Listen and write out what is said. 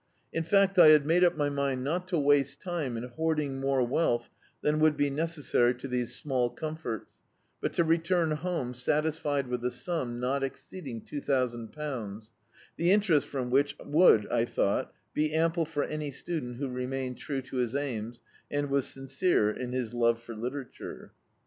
In fact I made up my mind not to waste time in hoarding more wealth than would be necessary to these small comforts, but to return home satisfied with a sum not exceeding two thousand pounds, the interest frcxn which would, I thought, be ample for any student who remained true to his aims, and was sincere in his love for literature.